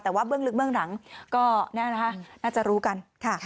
แต่ว่าเบื้องลึกเบื้องหลังก็น่าจะรู้กันค่ะ